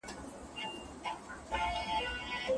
د تفسير علم څنګه د قدر وړ دی؟